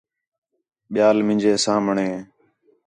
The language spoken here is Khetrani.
ٻِیال مینجے سامھݨے